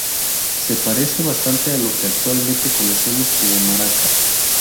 Se parece bastante a lo que actualmente conocemos como "maraca".